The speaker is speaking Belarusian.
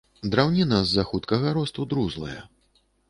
Драўніна з-за хуткага росту друзлая.